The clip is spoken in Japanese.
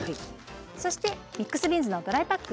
そしてミックスビーンズのドライパック。